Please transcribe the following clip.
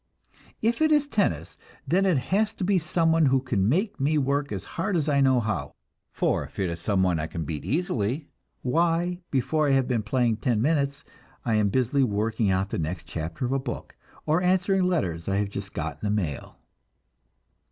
If it is tennis, then it has to be someone who can make me work as hard as I know how; for if it is someone I can beat easily, why, before I have been playing ten minutes, I am busily working out the next chapter of a book, or answering letters I have just got in the mail.